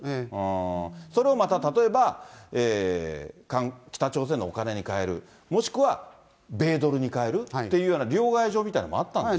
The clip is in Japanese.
それをまた例えば、北朝鮮のお金に替える、もしくは米ドルに替えるっていう両替所みたいなものもあったんですか？